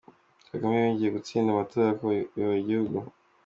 kagame yongeye gutsinda amatora yo kuyobora igihugu